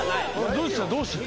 どうしたどうした。